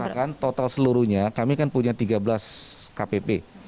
tadi saya katakan total seluruhnya kami kan punya tiga belas kpp